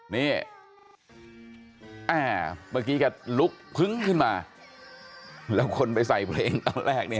นี่เมื่อกี้แกลุกพึ้งขึ้นมาแล้วคนไปใส่เพลงตอนแรกเนี่ย